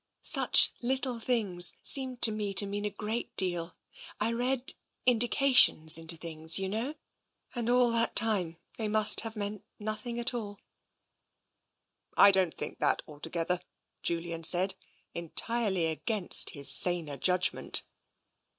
Such little things seemed to me to mean a great deal. I read indications into things — you know — and all the time they must have meant nothing at all." " I don't think that altogether," Julian said, entirely against his saner judgment.